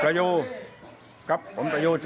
กลายเป็นประเพณีที่สืบทอดมาอย่างยาวนาน